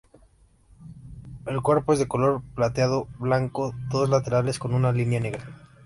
El cuerpo es de color plateado-blanco, los laterales con una línea negra.